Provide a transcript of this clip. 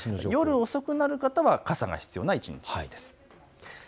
夜遅くなる方は傘が必要な一日です。